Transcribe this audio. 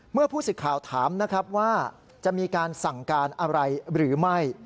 ผู้สิทธิ์ข่าวถามนะครับว่าจะมีการสั่งการอะไรหรือไม่